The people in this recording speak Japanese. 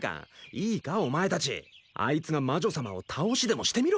いいかお前たちあいつが魔女様を倒しでもしてみろ。